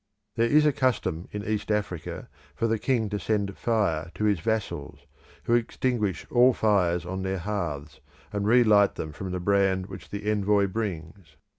There is a custom in East Africa for the king to send fire to his vassals, who extinguish all the fires on their hearths, and re light them from the brand which the envoy brings.